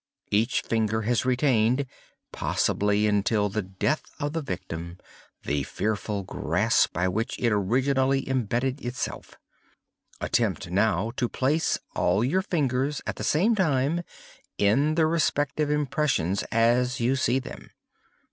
Each finger has retained—possibly until the death of the victim—the fearful grasp by which it originally imbedded itself. Attempt, now, to place all your fingers, at the same time, in the respective impressions as you see them."